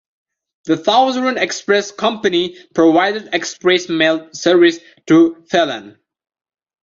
The Southern Express Company provided express mail service to Phelan.